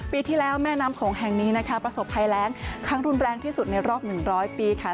ปีที่แล้วแม่น้ำโขงแห่งนี้นะคะประสบภัยแรงครั้งรุนแรงที่สุดในรอบ๑๐๐ปีค่ะ